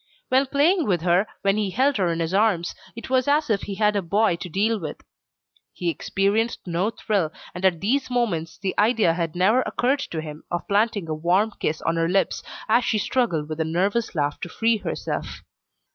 When playing with her, when he held her in his arms, it was as if he had a boy to deal with. He experienced no thrill, and at these moments the idea had never occurred to him of planting a warm kiss on her lips as she struggled with a nervous laugh to free herself.